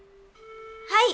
はい。